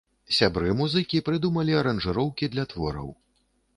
Сябры-музыкі прыдумалі аранжыроўкі для твораў.